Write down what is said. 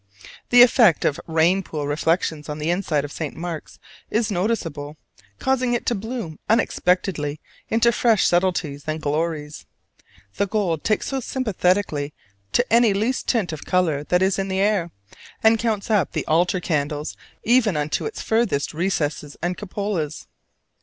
The effect of rain pool reflections on the inside of St. Mark's is noticeable, causing it to bloom unexpectedly into fresh subtleties and glories. The gold takes so sympathetically to any least tint of color that is in the air, and counts up the altar candles even unto its furthest recesses and cupolas.